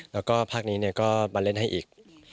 แล้วก็ภาคนี้เนี่ยก็บันเล็นให้อีก